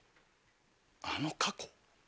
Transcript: あの過去？